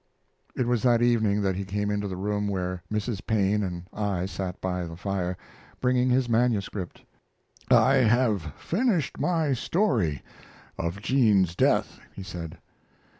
It was that evening that he came into the room where Mrs. Paine and I sat by the fire, bringing his manuscript. "I have finished my story of Jean's death," he said.